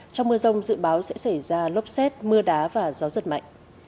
trong mưa rông dự báo sẽ xảy ra lốc xét mưa đá và gió giật mạnh